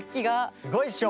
すごいっしょ！